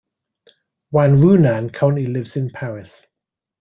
Wan Runnan currently lives in Paris.